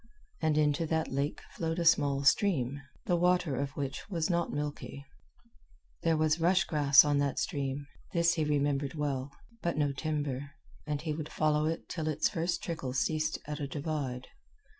And into that lake flowed a small stream, the water of which was not milky. There was rush grass on that stream this he remembered well but no timber, and he would follow it till its first trickle ceased at a divide.